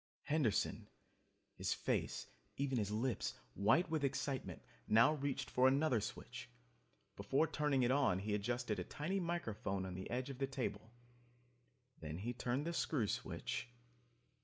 Henderson, his face even his lips white with excitement, now reached for another switch. Before turning it on he adjusted a tiny microphone on the edge of the table. Then he turned the screw switch